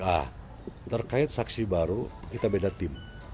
nah terkait saksi baru kita beda tim